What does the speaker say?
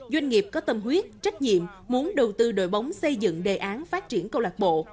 doanh nghiệp có tâm huyết trách nhiệm muốn đầu tư đội bóng xây dựng đề án phát triển câu lạc bộ